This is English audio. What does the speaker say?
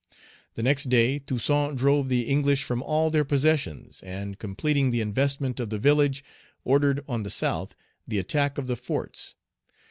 The next day, Toussaint drove the English from all their possessions, and, completing the investment of the village, ordered, on the South, the attack of the forts.